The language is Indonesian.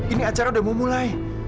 ini acara udah mau mulai